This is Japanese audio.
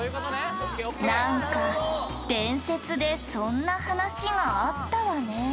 「なんか伝説でそんな話があったわね」